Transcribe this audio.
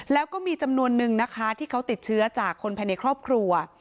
แล้วก็มีจำนวนนึงนะคะที่เขาติดเชื้อจากคนภายในครอบครัว